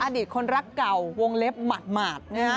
อดีตคนรักเก่าวงเล็บหมาด